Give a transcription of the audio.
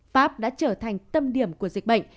pháp đã trở thành tâm điểm của dịch bệnh